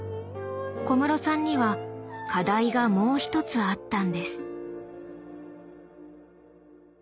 小室さんには課題がもう一つあったんです。